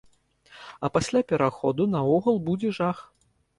А пасля пераходу наогул будзе жах!